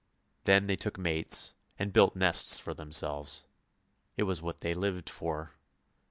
Then they took mates and built nests for them selves; it was what they lived for.